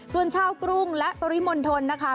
ส่วนชาวกรุงและปริมณฑลนะคะ